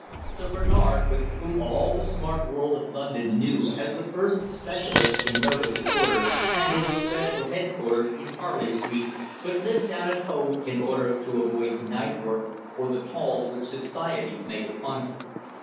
Sir Bernard, whom all the smart world of London knew as the first specialist in nervous disorders, had his professional headquarters in Harley Street, but lived down at Hove, in order to avoid night work or the calls which Society made upon him.